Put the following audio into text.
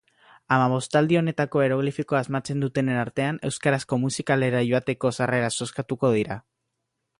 Hamabostaldi honetako eroglifikoa asmatzen dutenen artean euskarazko musikalera joateko sarrerak zozkatuko dira.